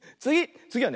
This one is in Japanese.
つぎはね